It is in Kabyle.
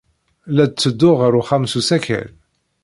La d-ttedduɣ ɣer uxxam s usakal.